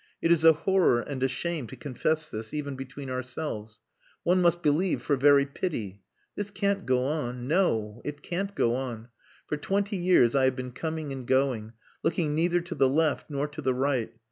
It is a horror and a shame to confess this even between ourselves. One must believe for very pity. This can't go on. No! It can't go on. For twenty years I have been coming and going, looking neither to the left nor to the right....